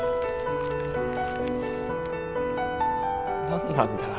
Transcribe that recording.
何なんだよ